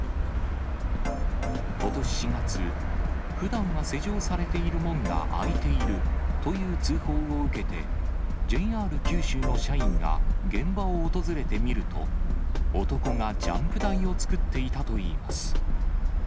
ことし４月、ふだんは施錠されている門が開いているという通報を受けて、ＪＲ九州の社員が現場を訪れてみると、男がジャンプ台を作っていたといいます。